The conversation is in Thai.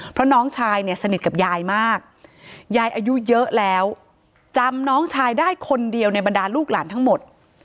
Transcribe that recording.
เพราะน้องชายเนี่ยสนิทกับยายมากยายอายุเยอะแล้วจำน้องชายได้คนเดียวในบรรดาลูกหลานทั้งหมด